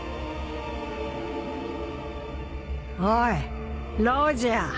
おいロジャー